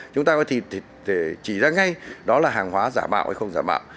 chúng ta có thể chỉ ra ngay đó là hàng hóa giả mạo hay không giả mạo